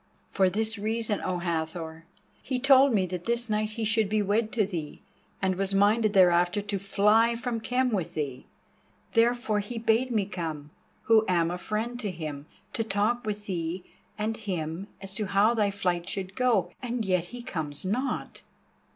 "For this reason, O Hathor. He told me that this night he should be wed to thee, and was minded thereafter to fly from Khem with thee. Therefore he bade me come, who am a friend to him, to talk with thee and him as to how thy flight should go, and yet he comes not."